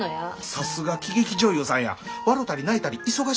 さすが喜劇女優さんや。笑たり泣いたり忙しいこっちゃなあ。